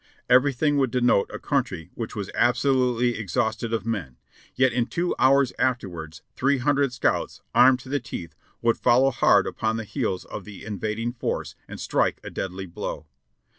Everything would denote a country which was absolutely ex hausted of men, yet in two hours afterwards three hundred scouts, armed to the teeth, would follow hard upon the heels of the invad ing force and strike a deadly blow.